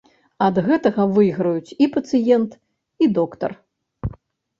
Ад гэтага выйграюць і пацыент, і доктар.